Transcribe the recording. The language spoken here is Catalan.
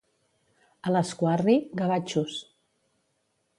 A Lasquarri, gavatxos.